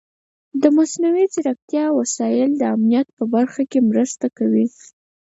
د مصنوعي ځیرکتیا وسایل د امنیت په برخه کې مرسته کوي.